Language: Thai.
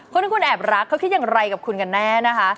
คนที่คุณแอบรักเขาคิดอย่างไรกับคุณกันแน่นะคะ